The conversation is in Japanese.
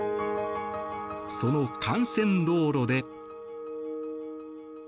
その幹線道路で。